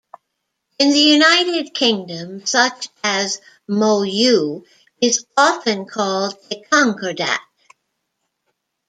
In the United Kingdom, such an MoU is often called a "concordat".